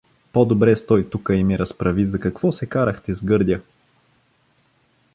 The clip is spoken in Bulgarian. По-добре стой тука и ми разправи за какво се карахте с Гърдя.